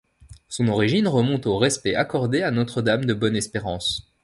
Son origine remonte au respect accordé à Notre-Dame de Bonne-Espérance.